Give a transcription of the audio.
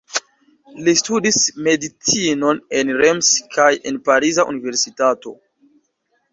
Li studis medicinon en Reims kaj en pariza universitato.